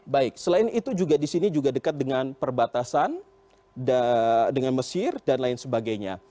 baik selain itu juga di sini juga dekat dengan perbatasan dengan mesir dan lain sebagainya